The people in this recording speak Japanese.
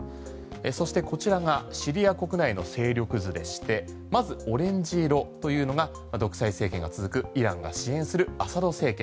そして、こちらがシリア国内の勢力図でしてまずオレンジ色というのが独裁政権が続くイランが支援するアサド政権。